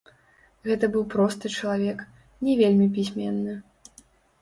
Гэта быў просты чалавек, не вельмі пісьменны.